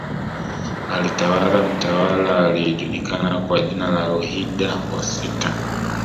Alitawala mtawala aliyejulikana kwa jina la Ruhinda wa sita